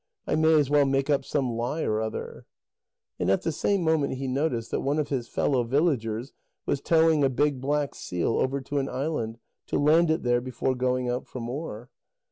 I may as well make up some lie or other." And at the same moment he noticed that one of his fellow villagers was towing a big black seal over to an island, to land it there before going out for more.